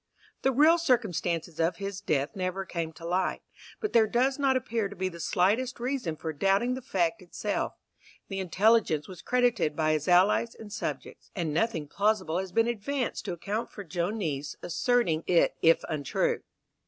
The real circumstances of his death never came to light, but there does not appear to be the slightest reason for doubting the fact itself; the intelligence was credited by his allies and subjects, and nothing plausible has been advanced to account for Joannice asserting it if untrue.